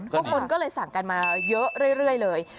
คนก็เลยสั่งกันมาเยอะเรื่อยเลย